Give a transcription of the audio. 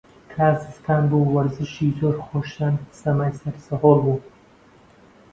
تا زستان بوو، وەرزشی زۆر خۆشیان سەمای سەر سەهۆڵ بوو